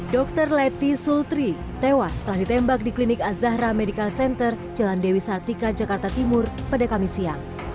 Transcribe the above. dr leti sultri tewas setelah ditembak di klinik azahra medical center jalan dewi sartika jakarta timur pada kamis siang